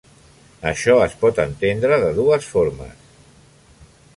Això es pot entendre de dues formes.